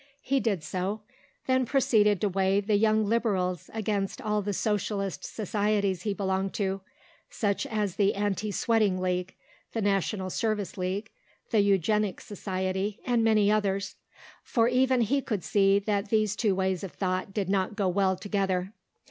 He did so, then proceeded to weigh the Young Liberals against all the Socialist societies he belonged to (such as the Anti sweating League, the National Service League, the Eugenics Society, and many others), for even he could see that these two ways of thought did not go well together.